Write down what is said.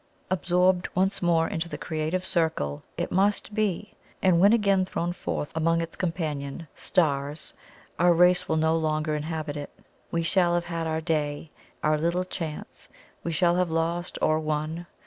Absorbed once more into the Creative Circle IT MUST BE; and when again thrown forth among its companion stars, our race will no more inhabit it. We shall have had our day our little chance we shall have lost or won.